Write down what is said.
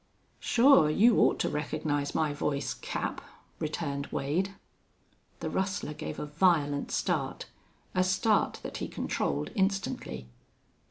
"Sure. You ought to recognize my voice, Cap," returned Wade. The rustler gave a violent start a start that he controlled instantly.